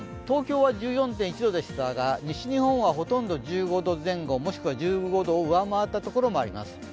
東京は１４．１度でしたが西日本はほとんど１５度前後もしくは１５度を上回った所もあります。